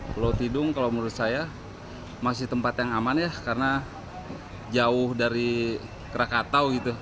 pulau tidung kalau menurut saya masih tempat yang aman ya karena jauh dari krakatau gitu